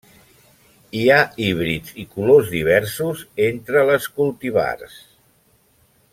Hi ha híbrids i colors diversos entre les cultivars.